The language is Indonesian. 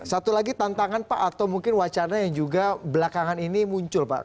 satu lagi tantangan pak atau mungkin wacana yang juga belakangan ini muncul pak